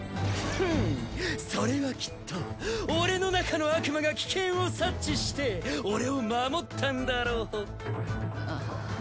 フンッそれはきっと俺の中の悪魔が危険を察知して俺を守ったんだろう。